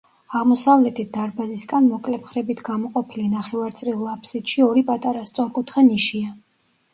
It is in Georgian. აღმოსავლეთით, დარბაზისგან მოკლე მხრებით გამოყოფილი ნახევარწრიულ აბსიდში, ორი პატარა, სწორკუთხა ნიშია.